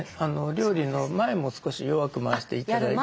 料理の前も少し弱く回して頂いて。